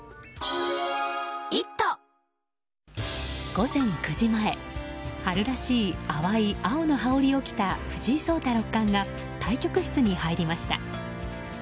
午前９時前春らしい淡い青の羽織を着た藤井聡太六冠が対局室に入りました。